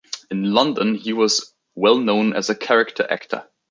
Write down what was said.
In London, he was well known as a character actor.